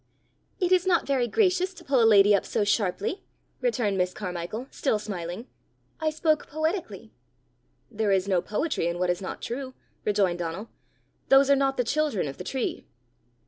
"It is not very gracious to pull a lady up so sharply!" returned Miss Carmichael, still smiling: "I spoke poetically." "There is no poetry in what is not true," rejoined Donal. "Those are not the children of the tree."